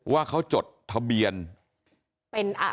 ว่าเขาจดทะเบียน